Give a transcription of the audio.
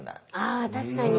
あ確かに。